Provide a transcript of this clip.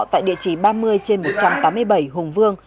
tại địa chỉ ba mươi trên một trăm tám mươi bảy hùng vương